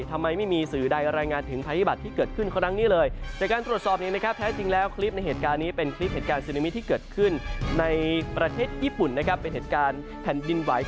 ทำไมไม่มีสื่อใดรายงานถึงพัฒนิบดที่เกิดขึ้นแค่นี้เลย